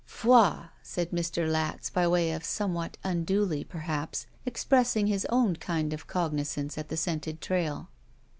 "Poi!" said Mr. Latz, by way of somewhat tmduly, perhaps, expressing his own kind of cog nizance of the scented trail.